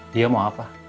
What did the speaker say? dia mau apa